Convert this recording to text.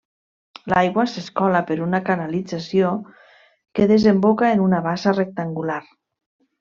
L'aigua s'escola per una canalització que desemboca en una bassa rectangular.